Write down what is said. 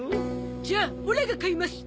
じゃオラが買います。